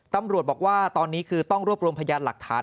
ตำรวจบอกว่าตอนนี้คือต้องรวบรวมพยานหลักฐาน